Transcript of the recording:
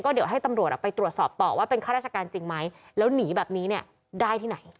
เดี๋ยวให้ตำรวจไปตรวจสอบต่อว่าเป็นข้าราชการจริงไหมแล้วหนีแบบนี้เนี่ยได้ที่ไหน